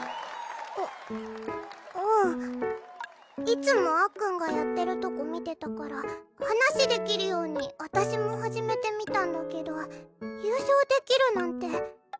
いつもあっくんがやってるとこ見てたから話できるように私も始めてみたんだけど優勝できるなんて。